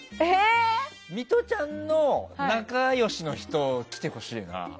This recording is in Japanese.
ミトちゃんの仲良しの人来てほしいな。